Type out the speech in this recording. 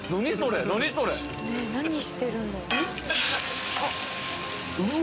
何してるんだろう？うわ。